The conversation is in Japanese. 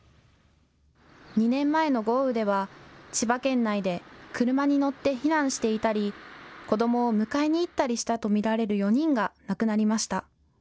２年前の豪雨では千葉県内で車に乗って避難していたり子どもを迎えに行ったりしたと見られる４人が亡くなりました。